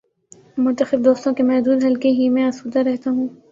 منتخب دوستوں کے محدود حلقے ہی میں آسودہ رہتا ہوں۔